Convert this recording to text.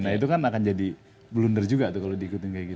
nah itu kan akan jadi blunder juga tuh kalau diikuti kayak gitu